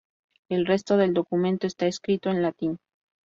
El resto del documento está escrito en latín.